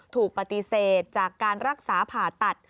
ถูกปฏิเสธจากการรักษาผ่าตัด